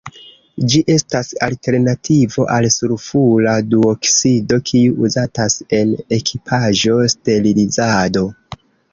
Ĝi estas alternativo al sulfura duoksido kiu uzatas en ekipaĵo-sterilizado.